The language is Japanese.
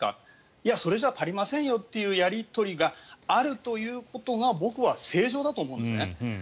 いや、それじゃ足りないですよというやり取りがあるということが僕は正常だと思うんですね。